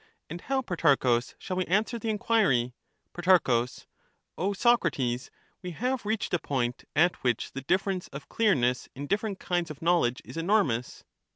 And how, Protarchus, shall we answer the enquiry ? Pro. O Socrates, we have reached a point at which the difference of clearness in different kinds of knowledge is enormous.